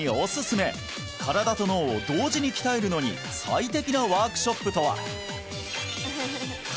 身体と脳を同時に鍛えるのに最適なワークショップとは？